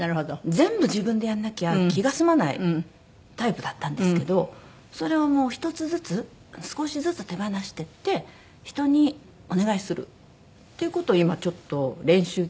全部自分でやらなきゃ気が済まないタイプだったんですけどそれをもう１つずつ少しずつ手放していって人にお願いするっていう事を今ちょっと練習中。